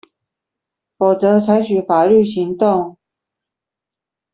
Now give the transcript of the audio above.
否則採取法律行動